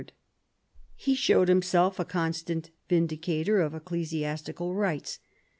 He showed himself a constant vindicator of ecclesiastical rights.